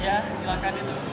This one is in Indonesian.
iya silahkan itu